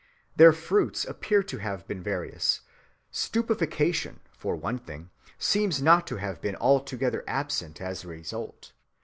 Their fruits appear to have been various. Stupefaction, for one thing, seems not to have been altogether absent as a result.